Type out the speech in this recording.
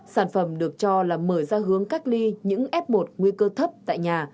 sản phẩm được cho là mở ra hướng cách ly những f một nguy cơ thấp tại nhà